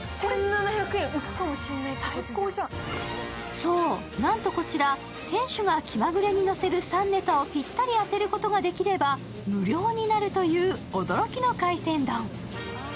そう、なんとこちら、店主が気まぐれにのせる３ネタをピッタリ当てることができれば無料になるという驚きの海鮮丼。